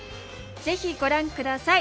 ぜひご覧下さい！